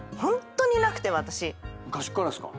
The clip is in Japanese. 昔からですか？